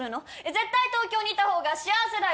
絶対東京にいた方が幸せだよ。